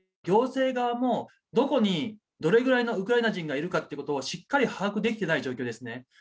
行政側も、どこに、どれぐらいのウクライナ人がいるかっていうことをしっかり把握できてない状況ですね。